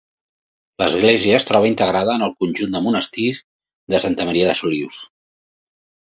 L'església es troba integrada en el conjunt del monestir de Santa Maria de Solius.